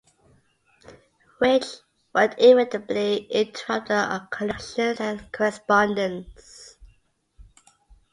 which, would inevitably interrupt our connections and correspondence.